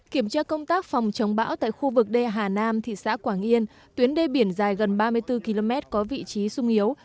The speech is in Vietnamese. kiểm tra công tác phòng chống bão tại khu vực đê hà nam thị xã quảng yên tuyến đê biển dài gần ba mươi bốn km có vị trí sung yếu